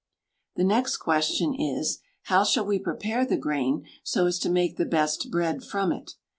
The next question is, how shall we prepare the grain so as to make the best bread from it?